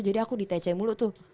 jadi aku di tc mulu tuh